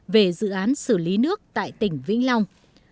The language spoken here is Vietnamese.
về dự án xử lý nước tại tỉnh vĩnh long